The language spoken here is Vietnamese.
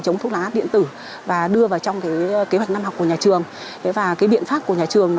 chống thuốc lá điện tử và đưa vào trong kế hoạch năm học của nhà trường và cái biện pháp của nhà trường